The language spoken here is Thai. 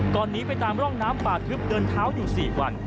หนีไปตามร่องน้ำป่าทึบเดินเท้าอยู่๔วัน